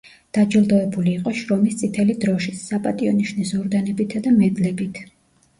დაჯილდოებული იყო შრომის წითელი დროშის, „საპატიო ნიშნის“ ორდენებითა და მედლებით.